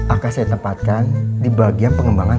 akan saya tempatkan di bagian pengembangan